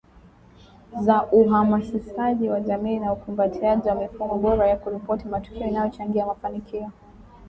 za uhamasishaji wa jamii na ukumbatiaji wa mifumo bora ya kuripoti matukio inayochangia mafanikio